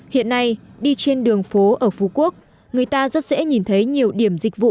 hiện nay đi trên đường phố ở phú quốc người ta rất dễ nhìn thấy nhiều điểm dịch vụ